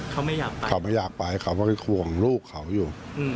เขาไม่อยากไปเขาไม่อยากไปเขาก็ไปห่วงลูกเขาอยู่